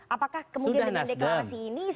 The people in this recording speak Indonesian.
apakah kemungkinan dengan deklarasi ini